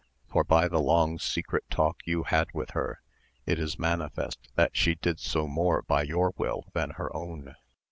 for by the long secret talk you had with her, it is manifest that she did so more by your will than her own.